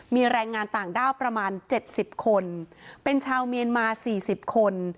มีแรงงานต่างด้าวประมาณ๗๐คนเป็นชาวเมียนมา๔๐คน